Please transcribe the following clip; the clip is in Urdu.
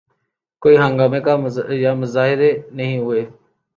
کوئی ہنگامے یا مظاہرے نہیں ہوئے۔